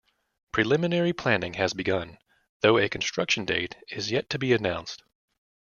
Preliminary planning has begun, though a construction date is yet to be announced.